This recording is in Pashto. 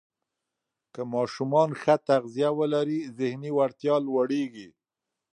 که ماشومان ښه تغذیه ولري، ذهني وړتیا لوړېږي.